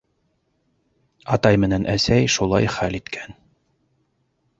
Атай менән әсәй шулай хәл иткән.